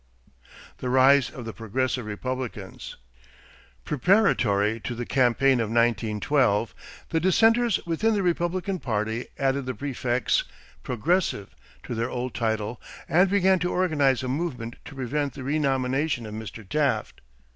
=The Rise of the Progressive Republicans.= Preparatory to the campaign of 1912, the dissenters within the Republican party added the prefix "Progressive" to their old title and began to organize a movement to prevent the renomination of Mr. Taft.